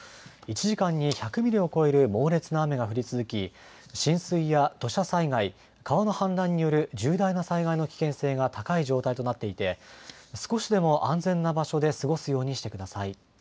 １時間に１００ミリを超える猛烈な雨が降り続き、浸水や土砂災害、川の氾濫による重大な災害の危険性が高い状態となっていて少しでも安全な場所で過ごすようにしてください。